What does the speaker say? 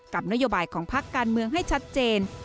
นโยบายของพักการเมืองให้ชัดเจน